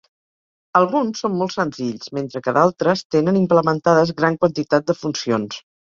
Alguns són molt senzills, mentre que d'altres tenen implementades gran quantitat de funcions.